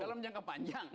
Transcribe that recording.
dalam jangka panjang